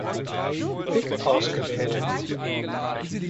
Pick ausgewählt.